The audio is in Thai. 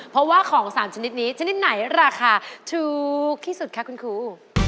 เพราะว่าของ๓ชนิดนี้ชนิดไหนราคาถูกที่สุดคะคุณครู